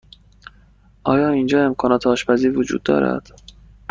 آیا اینجا امکانات آشپزی وجود دارد؟